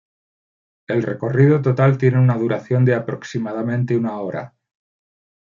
El recorrido total tiene una duración de aproximadamente una hora.